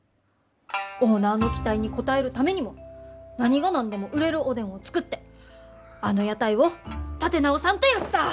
オーナーの期待に応えるためにも何が何でも売れるおでんを作ってあの屋台を立て直さんとヤッサー！